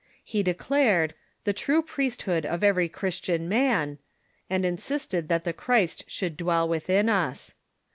He declared "the true priesthood of every Christian man," and insisted that the Christ should dwell within us.